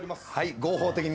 合法的に。